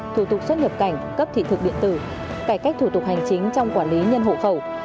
thủ tục xuất nhập cảnh cấp thị thực điện tử cải cách thủ tục hành chính trong quản lý nhân hộ khẩu